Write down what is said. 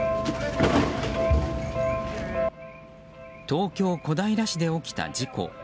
東京・小平市で起きた事故。